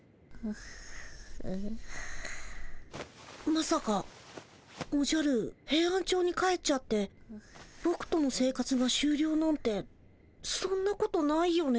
まさかおじゃるヘイアンチョウに帰っちゃってぼくとの生活がしゅうりょうなんてそんなことないよね。